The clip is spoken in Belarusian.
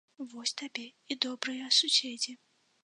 Вось табе і добрыя суседзі.